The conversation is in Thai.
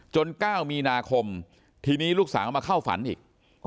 ๙มีนาคมทีนี้ลูกสาวมาเข้าฝันอีก